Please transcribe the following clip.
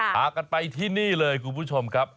พากันไปที่นี่เลยคุณผู้ชมครับ